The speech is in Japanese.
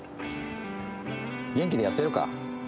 元気でやってるか？